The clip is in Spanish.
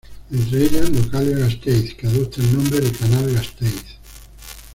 Entre ellas Localia Gasteiz, que adopta el nombre de Canal Gasteiz.